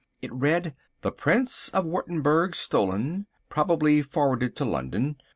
It read: "The Prince of Wurttemberg stolen. Probably forwarded to London.